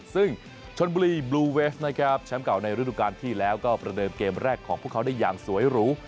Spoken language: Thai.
ซึ่งชนบุรีบลูเวฟนะครับแชมป์เก่าในฤดูการที่แล้วก็ประเดิมเกมแรกของพวกเขาได้อย่างสวยหรู